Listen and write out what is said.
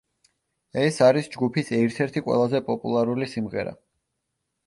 ეს არის ჯგუფის ერთ-ერთი ყველაზე პოპულარული სიმღერა.